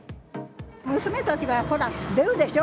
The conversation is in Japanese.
娘たちが出るでしょ？